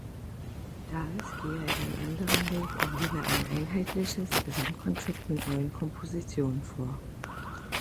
Davies gehe einen anderen Weg und legte ein einheitliches Gesamtkonzept mit neuen Kompositionen vor.